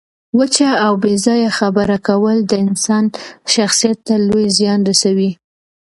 وچه او بې ځایه خبره کول د انسان شخصیت ته لوی زیان رسوي.